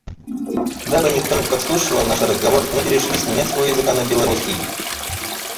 Дабы никто не подслушивал наш разговор, мы перешли с немецкого языка на белорусский.